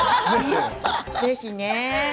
ぜひね。